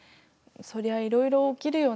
そりゃいろいろ起きるよね。